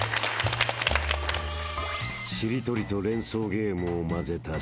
［しりとりと連想ゲームを混ぜた新ゲーム］